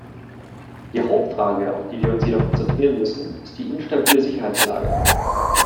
Die Hauptfrage, auf die wir uns jedoch konzentrieren müssen, ist die instabile Sicherheitslage.